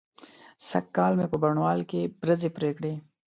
سږکال مې په بڼوال کې برځې پرې کړې.